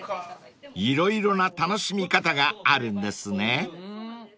［色々な楽しみ方があるんですね］